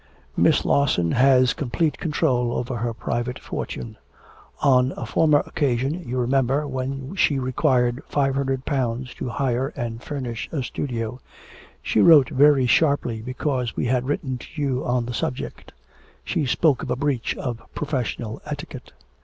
'Miss Lawson has complete control over her private fortune. On a former occasion, you remember, when she required five hundred pounds to hire and furnish a studio, she wrote very sharply because we had written to you on the subject. She spoke of a breach of professional etiquette.'